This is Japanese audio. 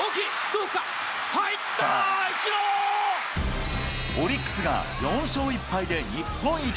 どオリックスが４勝１敗で日本一。